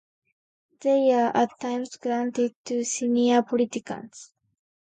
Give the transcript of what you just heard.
They are at times granted to senior politicians.